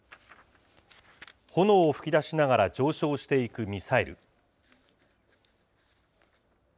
炎を噴き出しながら上昇していくミサイル。